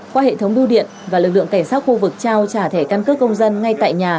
qua hệ thống bưu điện và lực lượng cảnh sát khu vực trao trả thẻ căn cước công dân ngay tại nhà